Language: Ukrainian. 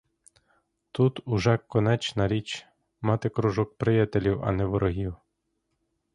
Тут уже конечна річ — мати кружок приятелів, а не ворогів.